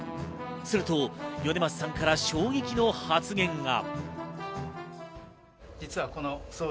すると米桝さんから衝撃の発言が。